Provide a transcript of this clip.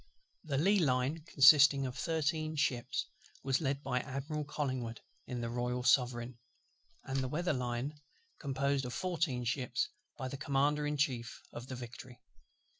The lee line, consisting of thirteen ships, was led by Admiral COLLINGWOOD in the Royal Sovereign; and the weather line, composed of fourteen ships, by the Commander in Chief in the Victory.